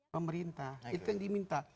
pemerintah itu yang diminta